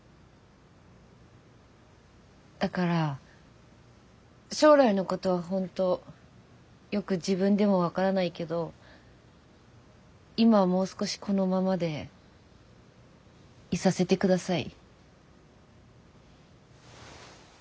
だから将来のことは本当よく自分でも分からないけど今はもう少しこのままでいさせて下さい。